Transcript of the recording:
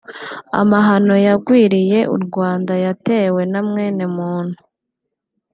-Amahano yagwiriye u Rwanda yatewe na mwenemuntu